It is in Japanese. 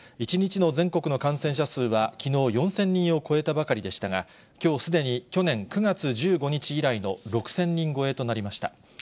１日の全国の感染者数はきのう、４０００人を超えたばかりでしたが、きょうすでに去年９月１５日以来の６０００人超えとなりました。